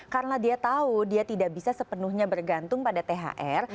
karena dia tahu dia tidak bisa bergantung sepenuhnya pada thr